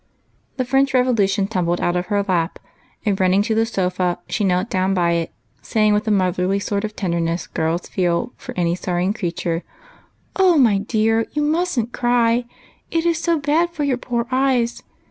The " French Revolution " tumbled out of her lap, and, running to the sofa, she knelt down by it, saying, with the motherly sort of tenderness girls feel for any Borrowing creature, —" Oh, my dear, you must n't cry ! It is so bad for your poor eyes.